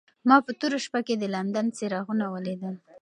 ما په توره شپه کې د لندن څراغونه ولیدل.